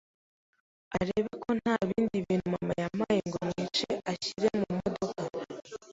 arebe ko nta bindi bintu mama yampaye ngo mwice anshyira mu modoka